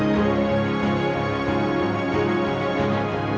mama makasih ya pak